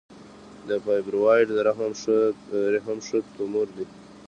د فایبروایډ د رحم ښه تومور دی.